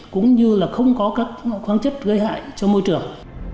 cũng như là không có các khoáng chất gây hại cho môi trường